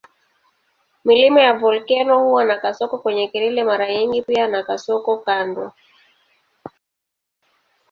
Milima ya volkeno huwa na kasoko kwenye kelele mara nyingi pia na kasoko kando.